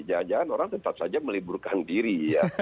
jangan jangan orang tetap saja meliburkan diri ya